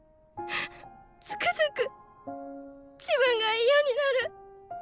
つくづく自分が嫌になる。